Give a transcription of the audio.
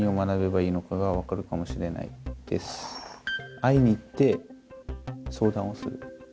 会いに行って相談をする。